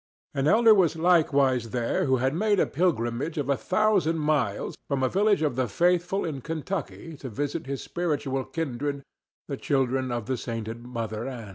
An elder was likewise there who had made a pilgrimage of a thousand miles from a village of the faithful in Kentucky to visit his spiritual kindred the children of the sainted Mother Ann.